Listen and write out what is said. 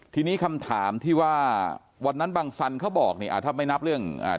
ทีนี้คำถามที่ว่าวันนั้นบังสันเขาบอกเนี่ยอ่าถ้าไม่นับเรื่องอ่า